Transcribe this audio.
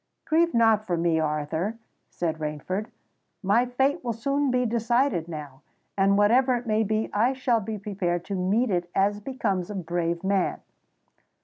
"Grieve not for me, Arthur," said Rainford: "my fate will soon be decided now; and whatever it may be, I shall be prepared to meet it as becomes a brave man."